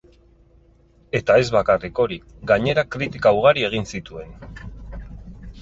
Eta ez bakarrik hori, gainera kritika ugari egin zituen.